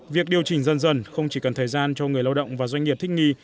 việc điều chỉnh dần dần không chỉ cần thời gian cho người lao động và doanh nghiệp thích nghi